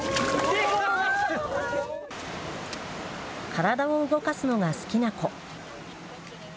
体を動かすのが好きな子。